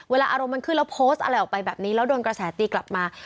อารมณ์มันขึ้นแล้วโพสต์อะไรออกไปแบบนี้แล้วโดนกระแสตีกลับมา